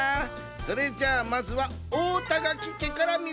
それじゃあまずはおおたがきけからみせてや。